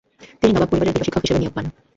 তিনি নবাব পরিবারের গৃহ-শিক্ষক হিসেবে নিয়োগ পান।